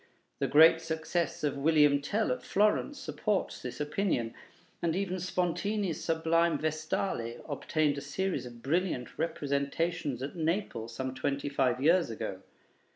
The great success of 'Guillaume Tell' at Florence supports this opinion, and even Spontini's sublime 'Vestale' obtained a series of brilliant representations at Naples some twenty five years ago.